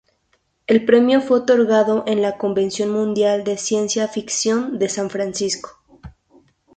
El premio fue otorgado en la Convención Mundial de Ciencia Ficción de San Francisco.